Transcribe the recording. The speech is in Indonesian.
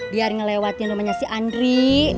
biar ngelewatin rumahnya si andri